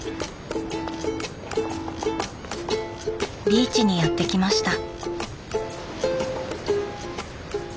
ビーチにやって来ました。